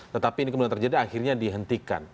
tetapi ini kemudian terjadi akhirnya dihentikan